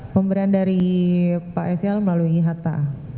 pemberian dari pak sel melalui hatta